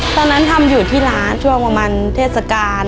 ตอนนั้นทำอยู่ที่ร้านช่วงประมาณเทศกาล